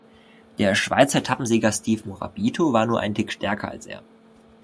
Der Schweizer Etappensieger Steve Morabito war nur einen Tick stärker als er.